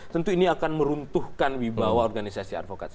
tentu ini akan meruntuhkan wibawa organisasi advokat